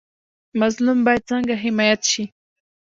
مظلوم باید څنګه حمایت شي؟